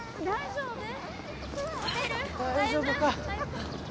大丈夫？